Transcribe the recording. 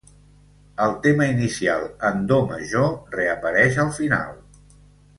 El tema inicial en do major reapareix al final.